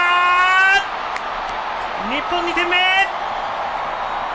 日本、２点目！